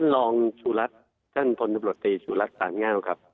ลองชุดลักษณ์พนธุบลทธิชุดลักษณ์ตามเง้อก็ครับ